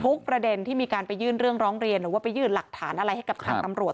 ประเด็นที่มีการไปยื่นเรื่องร้องเรียนหรือว่าไปยื่นหลักฐานอะไรให้กับทางตำรวจ